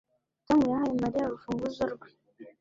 Tom yahaye Mariya urufunguzo rwe